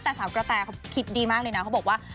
แต่สาวกระแตเขาคิดดีมากเลยนะเขาบอกว่า